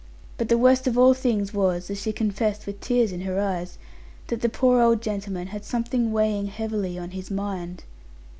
But the worst of all things was, as she confessed with tears in her eyes, that the poor old gentleman had something weighing heavily on his mind.